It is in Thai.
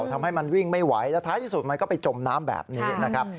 ทำให้มันวิ่งไม่ไหวแล้วท้ายที่สุดมันก็ไปจมน้ำแบบนี้นะครับ